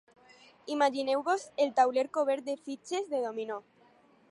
Imagineu-vos el tauler cobert de fitxes de dòmino.